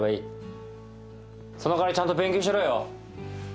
・その代わりちゃんと勉強しろよ。